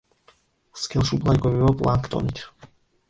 სქელშუბლა იკვებება პლანქტონით.